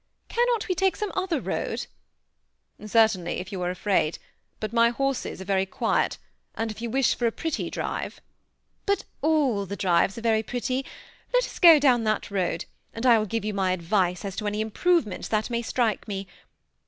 " Cannot we take some other road ?"" Certainly, if you are afraid ; but my horses are very quiet ; and if you wish for a pretty drive "" But all the drives are very pretty. Let us go down that road, and I will give you my advice as to any im provements that may strike me.